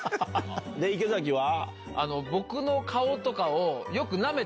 池崎は？